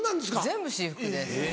全部私服です。